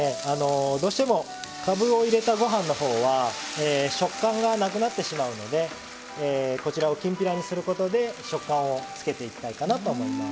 どうしてもかぶを入れたご飯のほうは食感がなくなってしまうのでこちらをきんぴらにすることで食感をつけていきたいかなと思います。